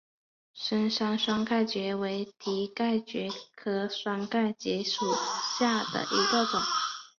深山双盖蕨为蹄盖蕨科双盖蕨属下的一个种。